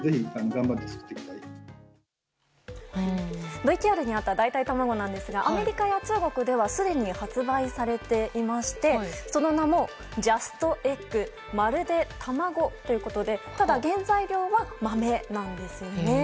ＶＴＲにあった代替卵なんですがアメリカや中国ではすでに発売されていましてその名もＪＵＳＴＥｇｇまるで卵ということでただ、原材料は豆なんです。